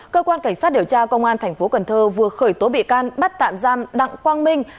cơ quan cảnh sát điều tra công an tp hcm vừa khởi tố bị can bắt tạm giam đặng quang minh